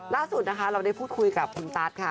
ล่าสุดนะคะเราได้พูดคุยกับคุณตั๊ดค่ะ